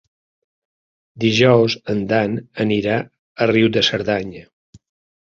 Dijous en Dan anirà a Riu de Cerdanya.